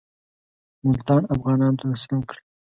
ملتان افغانانو ته تسلیم کړي.